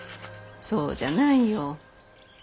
そうじゃないよ。